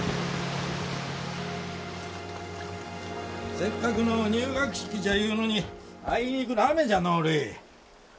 せっかくの入学式じゃいうのにあいにくの雨じゃのうるい。